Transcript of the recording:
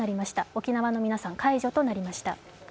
沖縄の皆さん、解除となりました。